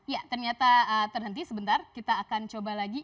ya ternyata terhenti sebentar kita akan coba lagi